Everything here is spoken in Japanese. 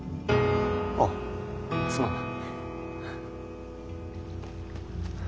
あっすまんな。